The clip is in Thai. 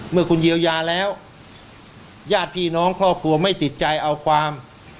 เมื่อคุณเยียวยาแล้วญาติพี่น้องครอบครัวไม่ติดใจเอาความ